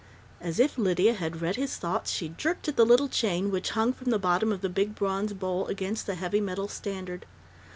As if Lydia had read his thoughts, she jerked at the little chain which hung from the bottom of the big bronze bowl against the heavy metal standard.